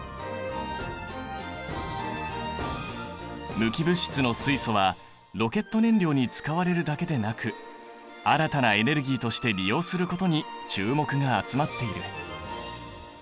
無機物質の水素はロケット燃料に使われるだけでなく新たなエネルギーとして利用することに注目が集まっている。